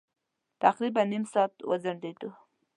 تقريباً نيم ساعت وځنډېدو.